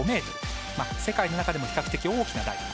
世界の中でも比較的大きな台。